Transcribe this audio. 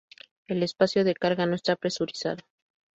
El espacio de carga no está presurizado.